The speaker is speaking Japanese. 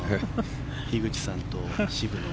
樋口さんと渋野。